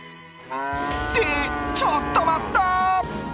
って、ちょっと待った！